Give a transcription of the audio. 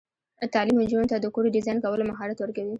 تعلیم نجونو ته د کور ډیزاین کولو مهارت ورکوي.